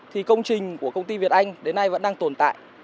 thì công trình của công ty việt anh đến nay vẫn đang tồn tại